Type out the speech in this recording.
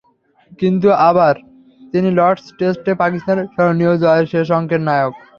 কিন্তু আবার তিনিই লর্ডস টেস্টে পাকিস্তানের স্মরণীয় জয়ের শেষ অঙ্কের নায়ক।